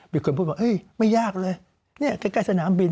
มีคนพูดว่าไม่ยากเลยเนี่ยใกล้สนามบิน